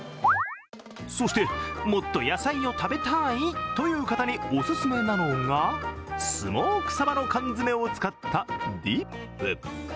そして、もっと野菜を食べたいという方におすすめなのがスモークさばの缶詰を使ったディップ。